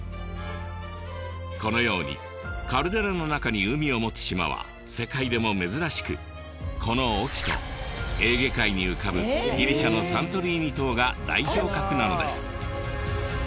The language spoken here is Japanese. このようにカルデラの中に海を持つ島は世界でも珍しくこの隠岐とエーゲ海に浮かぶギリシャのサントリーニ島が代表格なのです。